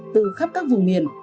từ khắp các vùng miền